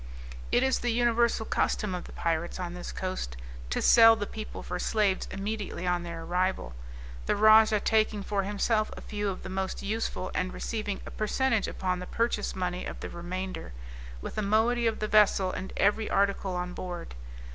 It is the universal custom of the pirates, on this coast, to sell the people for slaves immediately on their arrival, the rajah taking for himself a few of the most useful, and receiving a percentage upon the purchase money of the remainder, with a moiety of the vessel and every article on board.